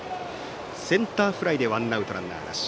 センターフライでワンアウト、ランナーなし。